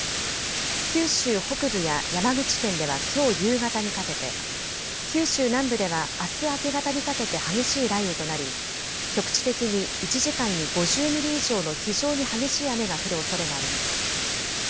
九州北部や山口県ではきょう夕方にかけて、九州南部ではあす明け方にかけて激しい雷雨となり局地的に１時間に５０ミリ以上の非常に激しい雨が降るおそれがあります。